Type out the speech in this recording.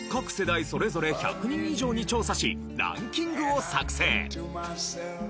それぞれ１００人以上に調査しランキングを作成。